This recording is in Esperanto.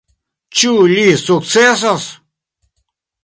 Ĉu li sukcesos?